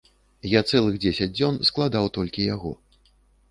Я цэлых дзесяць дзён складаў толькі яго.